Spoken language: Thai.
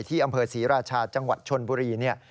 ที่อำเภอศรีราชาจังหวัดชนบุรีเนี่ย